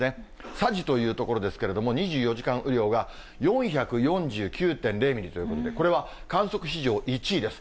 佐治という所ですけれども、２４時間雨量が４４９．０ミリということで、これは観測史上１位です。